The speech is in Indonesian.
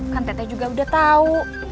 kan tete juga udah tahu